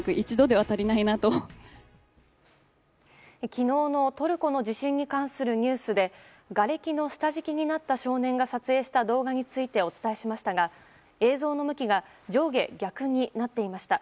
昨日のトルコの地震に関するニュースでがれきの下敷きになった少年が撮影した動画についてお伝えしましたが映像の向きが上下逆になっていました。